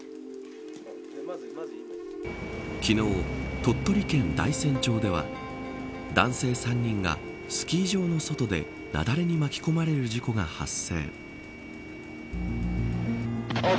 昨日、鳥取県大山町では男性３人がスキー場の外で雪崩に巻き込まれる事故が発生。